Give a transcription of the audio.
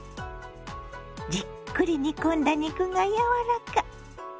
じっくり煮込んだ肉が柔らか。